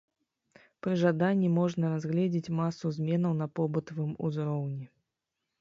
Пры жаданні можна разгледзець масу зменаў на побытавым узроўні.